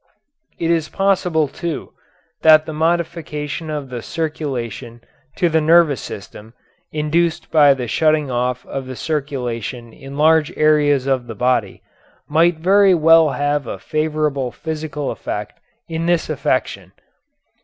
It is possible, too, that the modification of the circulation to the nervous system induced by the shutting off of the circulation in large areas of the body might very well have a favorable physical effect in this affection.